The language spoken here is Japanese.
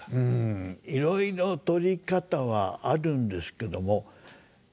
うんいろいろ取り方はあるんですけども。